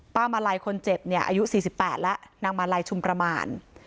มาลัยคนเจ็บเนี่ยอายุ๔๘แล้วนางมาลัยชุมประมาณ